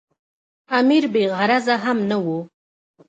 امیر بې غرضه هم نه وو.